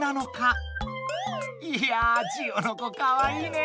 いやジオノコかわいいね。